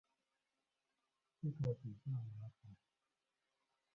這個比較麻煩